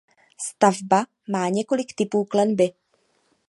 Stavba má několik typů klenby.